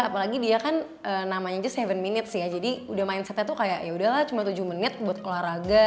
apalagi dia kan namanya aja tujuh minutes ya jadi udah mindsetnya tuh kayak yaudahlah cuma tujuh menit buat olahraga